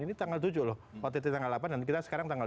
ini tanggal tujuh loh ott tanggal delapan dan kita sekarang tanggal dua